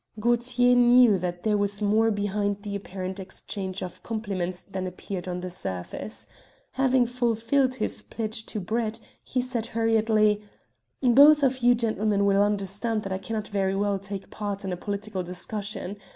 Gaultier knew that there was more behind the apparent exchange of compliments than appeared on the surface. Having fulfilled his pledge to Brett, he said hurriedly, "Both of you gentlemen will understand that I cannot very well take part in a political discussion.